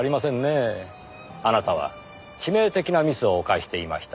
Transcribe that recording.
あなたは致命的なミスを犯していました。